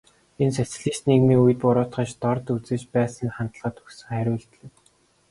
Энэ нь социалист нийгмийн үед буруутгаж, дорд үзэж байсан хандлагад өгсөн хариу үйлдэл юм.